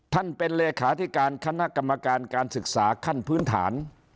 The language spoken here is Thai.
ท่านเป็นเลขาธิการคณะกรรมการการศึกษาขั้นพื้นฐาน